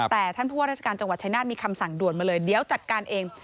แต่ท่านผู้ว่าราชการจังหวัดชายนาฏมีคำสั่งด่วนมาเลยเดี๋ยวจัดการเอง